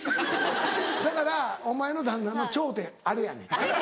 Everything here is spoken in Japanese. だからお前の旦那の頂点あれやねん。